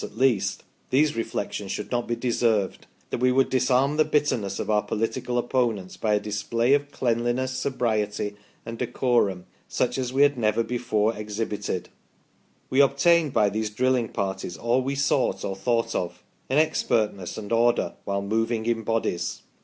at least, these reflections should not be deserved that we would disarm the bitterness of our political opponents by a display of cleanliness, sobriety, and decorum such as we never before had exhibited. ... We obtained by these drilling parties all we sought or thought of an expertness and order while moving in bodies."